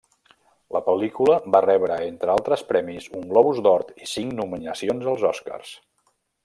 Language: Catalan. La pel·lícula va rebre, entre altres premis, un Globus d'Or i cinc nominacions als Oscars.